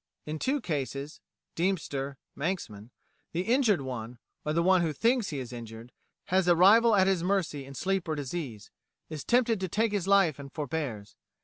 In two cases ('Deemster,' 'Manxman,') the injured one, or the one who thinks he is injured, has a rival at his mercy in sleep or disease, is tempted to take his life and forbears.